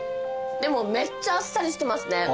でもめっちゃあっさりしてますね。